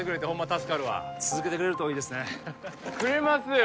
助かるわ続けてくれるといいですねくれますよ